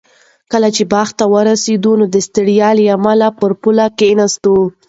کله چې باغ ته ورسېد نو د ستړیا له امله پر پوله کېناست.